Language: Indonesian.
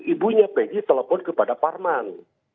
ibunya pegi telepon kepada parman